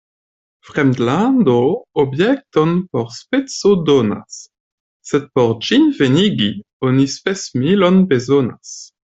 Fremdlando objekton por speso donas, sed por ĝin venigi, oni spesmilon bezonas.